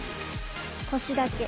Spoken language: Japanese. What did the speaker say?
腰だけ。